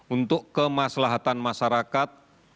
untuk kemaslahatan masyarakat